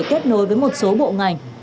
kết nối với một số bộ ngành